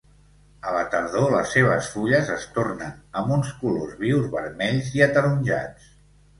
A la tardor les seves fulles es tornen amb uns colors vius vermells i ataronjats.